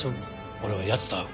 俺はヤツと会う。